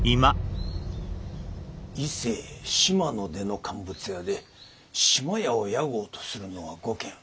伊勢志摩の出の乾物屋で志摩屋を屋号とするのは５軒。